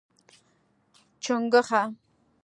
🐸 چنګوښه